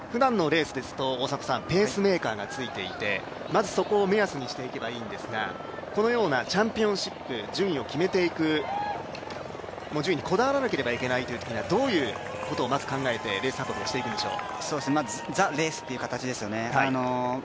ふだんのレースですとペースメーカーがついていてまずそこを目安にしていけばいいんですが、このようなチャンピオンシップ順位を決めていく、順位にこだわらなければいけないときはどういうことをまず考えてレース運びをしていくんでしょう？